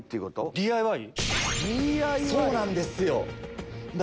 そうなんですよ。